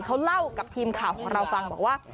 เขาเล่ากับทีมข่าวของเราฟังบอกว่า